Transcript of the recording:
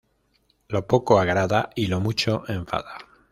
Lo poco agrada y lo mucho enfada